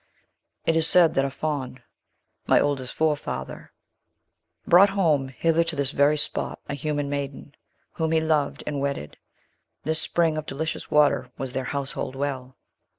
It is said that a Faun, my oldest forefather, brought home hither to this very spot a human maiden, whom he loved and wedded. This spring of delicious water was their household well."